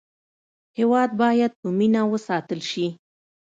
هېواد باید په مینه وساتل شي.